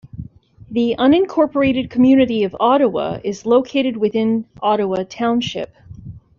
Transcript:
The unincorporated community of Ottawa is located within Ottawa Township.